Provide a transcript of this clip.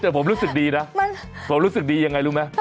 แต่ผมรู้สึกดีนะผมรู้สึกดียังไงรู้ไหม